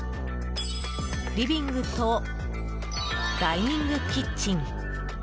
リビングと、ダイニングキッチン。